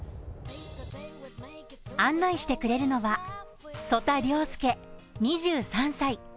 案内してくれるのは曽田陵介、２３歳。